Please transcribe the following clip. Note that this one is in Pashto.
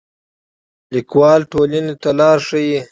لیکوال ټولنې ته لار ښيي